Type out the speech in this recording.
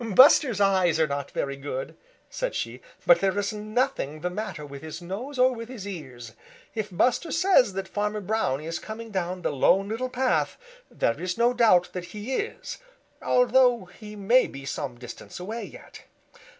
"Buster's eyes are not very good," said she, "but there is nothing the matter with his nose or with his ears. If Buster says that Farmer Brown is coming down the Lone Little Path, there is no doubt that he is, although he may be some distance away yet.